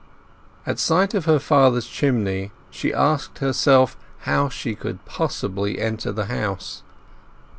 At sight of her father's chimney she asked herself how she could possibly enter the house?